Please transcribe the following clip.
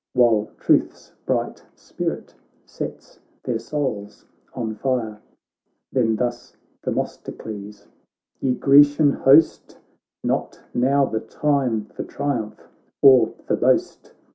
While truth's bright spirit sets their souls on fire. Then thus Themistocles :' Ye Grecian host. Not now the time for triumph or for boast.